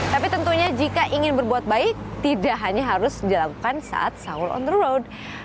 tapi tentunya jika ingin berbuat baik tidak hanya harus dilakukan saat sahur on the road